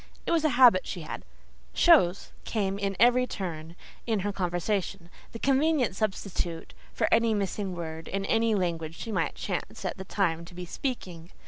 It was a habit she had: "chose" came in at every turn in her conversation—the convenient substitute for any missing word in any language she might chance at the time to be speaking.